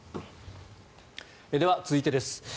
では、続いてです。